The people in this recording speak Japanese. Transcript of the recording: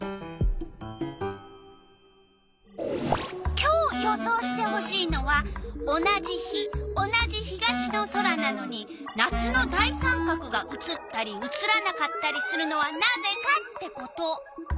今日予想してほしいのは「同じ日同じ東の空なのに夏の大三角が写ったり写らなかったりするのはなぜか」ってこと。